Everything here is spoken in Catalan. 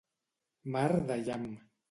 Mar de llamp.